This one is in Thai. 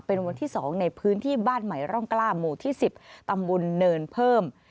เป็นวันที่๒ในพื้นที่บ้านใหม่ร่องกล้าหมู่ที่๑๐ตำบลเนินเพิ่ม